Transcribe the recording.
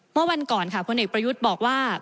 เมื่อวันก่อนค่ะพลเอกประยุทธ์บอกว่า